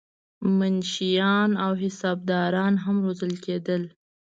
منشیان او حسابداران هم روزل کېدل.